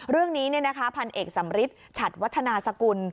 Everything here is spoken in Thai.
เรื่องนี้พันเอกสำริทฉัดวัฒนาสกุล